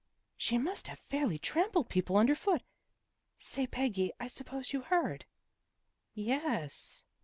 " She must have fairly trampled people underfoot. Say, Peggy, I suppose you heard? "' Ye es."